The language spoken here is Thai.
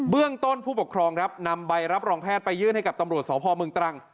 เบื้องต้นผู้ปกครองนำใบรับรองแพทย์ไปยื่นให้กับตำรวจสพตรังค์